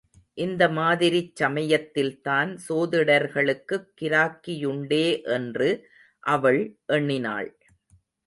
இந்த மாதிரிச் சமயத்தில்தான் சோதிடர்களுக்குக் கிராக்கியுண்டே என்று அவள் எண்ணினாள்.